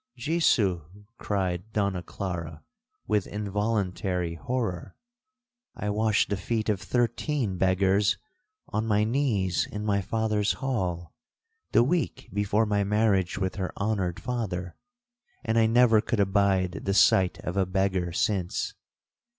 '—'Jesu!' cried Donna Clara with involuntary horror, 'I washed the feet of thirteen beggars, on my knees in my father's hall, the week before my marriage with her honoured father, and I never could abide the sight of a beggar since.'